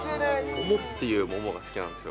桃っていう桃が好きなんです